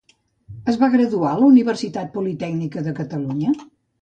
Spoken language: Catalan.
Es va graduar a la Universitat Politècnica de Catalunya?